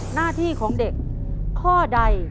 หน้าที่ของเด็กข้อใด